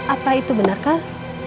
apa itu benarkah